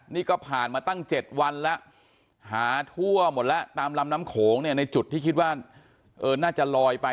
นี่ก็ผ่านมาตั้ง๗วันแล้วหาทั่วหมดแล้วตามลำน้ำโขงเนี่ยในจุดที่คิดว่าน่าจะลอยไป